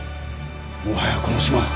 もはやこの島は。